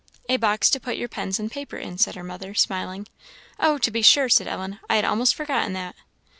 "A box to put your pens and paper in," said her mother, smiling. "Oh, to be sure," said Ellen; "I had almost forgotten that."